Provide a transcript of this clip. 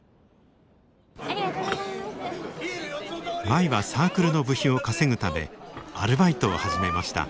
舞はサークルの部費を稼ぐためアルバイトを始めました。